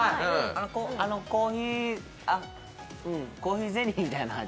コーヒー、コーヒーゼリーみたいな味。